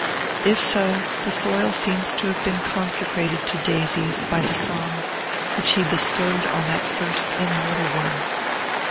If so, the soil seems to have been consecrated to daisies by the song which he bestowed on that first immortal one.